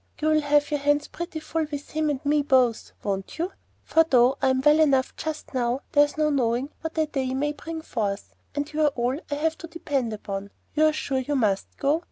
You'll have your hands pretty full with him and me both, won't you? for though I'm well enough just now, there's no knowing what a day may bring forth, and you're all I have to depend upon. You're sure you must go?